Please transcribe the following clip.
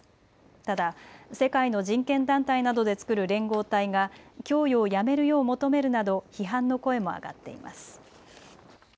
ただ世界の人権団体などで作る連合体が供与をやめるよう求めるなど批判の声も上がっています。